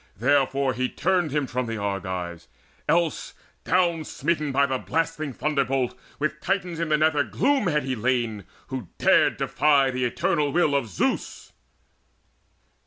Therefore he turned him from the Argives else, Down smitten by the blasting thunderbolt, With Titans in the nether gloom he had lain, Who dared defy the eternal will of Zeus.